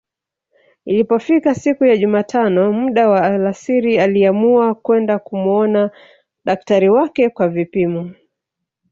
Ilipofika siku ya jumatano muda wa alasiri aliamua kwenda kumuona daktari wake kwa vipimo